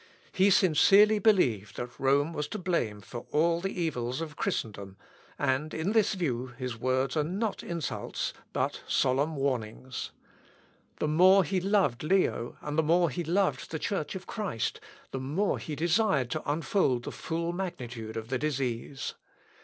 He sincerely believed that Rome was to blame for all the evils of Christendom; and in this view his words are not insults, but solemn warnings. The more he loved Leo, and the more he loved the Church of Christ, the more he desired to unfold the full magnitude of the disease.